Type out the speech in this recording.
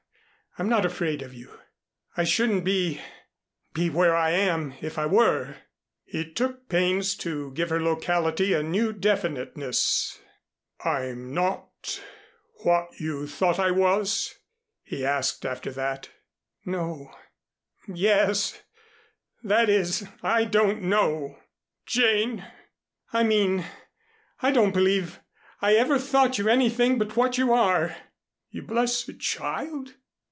I'm not afraid of you. I shouldn't be be where I am, if I were." He took pains to give her locality a new definiteness. "I'm not what you thought I was?" he asked after that. "No yes that is I don't know " "Jane!" "I mean I don't believe I ever thought you anything but what you are." "You blessed child.